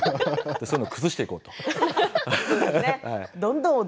そういうのは崩していこうと。